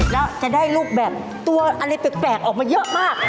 แล้วจะได้รูปแบบตัวอะไรแปลกออกมาเยอะมาก